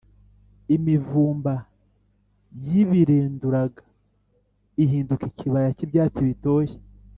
imivumba yibirinduraga ihinduka ikibaya cy’ibyatsi bitoshye,